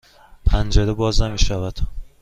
پنجره باز نمی شود.